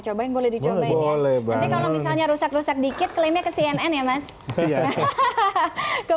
coba boleh dicoba oleh banget kalau misalnya rusak rusak dikit kelima kesini ya mas ke